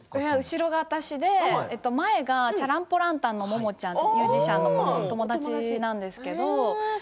後ろが私で前がチャラン・ポ・ランタンのももちゃんというミュージシャンの友達なんですけど。